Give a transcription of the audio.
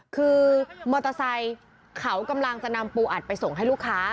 คือมอเตอร์ไซค์เขากำลังจะนำปูอัดไปส่งให้ลูกค้า